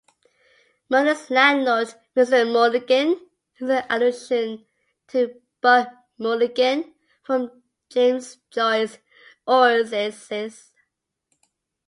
Merlin's landlord "Mr. Mulligan" is an allusion to Buck Mulligan from James Joyce's "Ulysses".